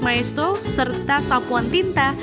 maestro serta sapuan tinta